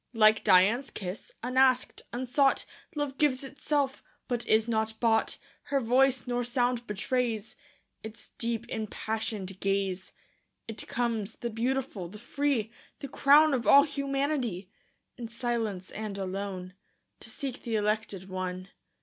Like Dian's kiss, unasked, unsought, Love gives itself, but is not bought; Nor voice, nor sound betrays Its deep, impassioned gaze. It comes, the beautiful, the free, The crown of all humanity, In silence and alone To seek the elected one.